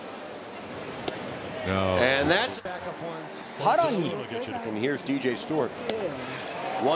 さらに。